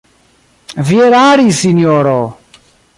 Vi eraris, sinjoro!